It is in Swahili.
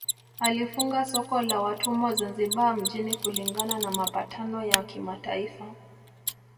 Alifunga soko la watumwa Zanzibar mjini kulingana na mapatano ya kimataifa